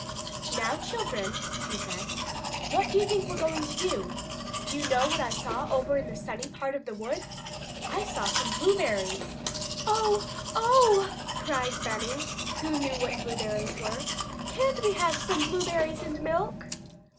"Now, children," she said, "what do you think we're going to do? Do you know what I saw over in the sunny part of the woods? I saw some blueberries!" "Oh, oh!" cried Benny, who knew what blueberries were. "Can't we have some blueberries and milk?"